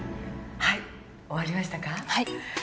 はい。